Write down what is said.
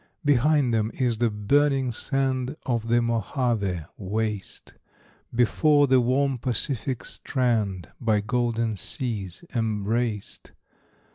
Behind them is the burning sand Of the Mojave[A] waste; Before, the warm Pacific strand, By golden seas embraced.